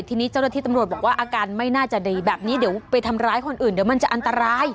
ทีนี้เจ้าหน้าที่ตำรวจบอกว่าอาการไม่น่าจะดีแบบนี้เดี๋ยวไปทำร้ายคนอื่นเดี๋ยวมันจะอันตราย